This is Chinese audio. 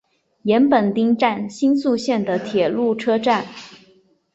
岩本町站新宿线的铁路车站。